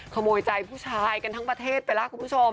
ขโมยใจผู้ชายกันทั้งประเทศไปแล้วคุณผู้ชม